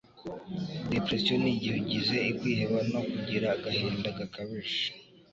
Depression n'igihe ugize kwiheba no kugira agahinda gakabije